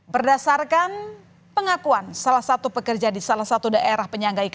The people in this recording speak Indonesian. berdasarkan pengakuan salah satu pekerja di salah satu daerah penyangga